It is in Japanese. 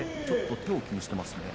ちょっと手を気にしています。